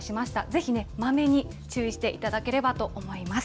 ぜひまめに注意していただければと思います。